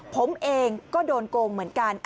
ผมเองก็โดนโกงเหมือนกัน